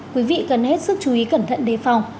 quý vị cần hết sức chú ý cẩn thận đề phòng